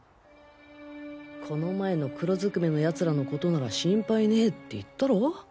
この前の黒ずくめの奴らの事なら心配ねぇって言ったろ？